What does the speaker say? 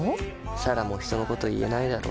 彩良も人のこと言えないだろ。